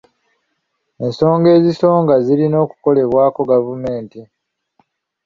Ensonga ezisonga zirina okukolebwako gavumenti.